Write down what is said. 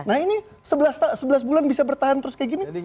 nah ini sebelas bulan bisa bertahan terus kayak gini